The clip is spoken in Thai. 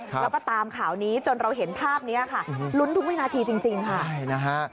แล้วก็ตามข่าวนี้จนเราเห็นภาพนี้ค่ะลุ้นทุกวินาทีจริงค่ะใช่นะฮะ